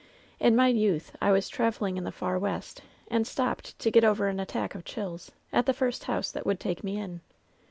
In my youth I was traveling in the far West, and stopped, to get over an attack of chills, at the first house that would take me in.